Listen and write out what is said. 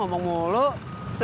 sama banget aja tau